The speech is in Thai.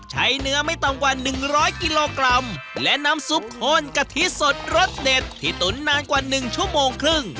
ใช้เนื้อไม่ต่ำกว่า๑๐๐กิโลกรัมและน้ำซุปข้นกะทิสดรสเด็ดที่ตุ๋นนานกว่า๑ชั่วโมงครึ่ง